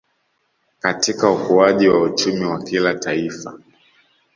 Katika ukuaji wa uchumi wa kila Taifa